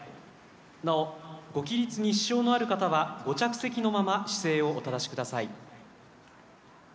なお、ご起立に支障のある方はご着席のまま姿勢をお正しください。